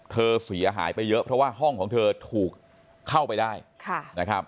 เสียหายไปเยอะเพราะว่าห้องของเธอถูกเข้าไปได้นะครับ